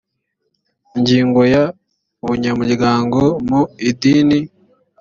ingingo ya ubunyamuryango mu idini